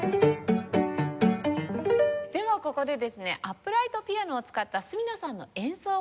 ではここでですねアップライトピアノを使った角野さんの演奏をお送り致します。